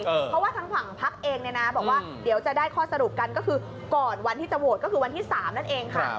เพราะว่าทางฝั่งพักเองเนี่ยนะบอกว่าเดี๋ยวจะได้ข้อสรุปกันก็คือก่อนวันที่จะโหวตก็คือวันที่๓นั่นเองค่ะ